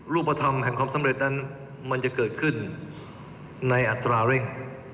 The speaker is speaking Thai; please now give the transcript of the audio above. รูปธรรมแห่งความสำเร็จนั้นมันจะเกิดขึ้นในอัตราเร่ง